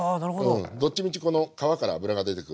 どっちみちこの皮から脂が出てくるんで。